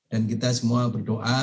dan kita semua berdoa